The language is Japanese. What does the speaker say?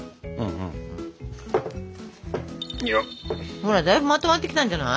ほらだいぶまとまってきたんじゃない？